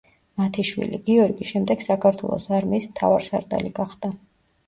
მათი შვილი, გიორგი, შემდეგ საქართველოს არმიის მთავარსარდალი გახდა.